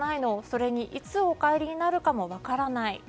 それに、いつお帰りになるかも、わからない。」